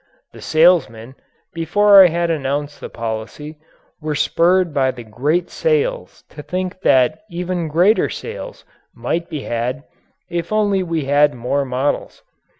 The salesmen, before I had announced the policy, were spurred by the great sales to think that even greater sales might be had if only we had more models.